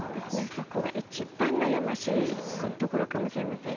そこが一番悩ましいところかもしれませんよね。